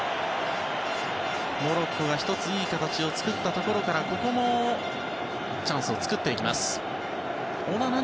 モロッコが１ついい形を作ったところからここもチャンスを作っていきます。